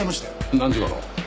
何時頃？